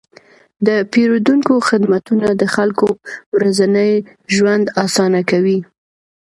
د پیرودونکو خدمتونه د خلکو ورځنی ژوند اسانه کوي.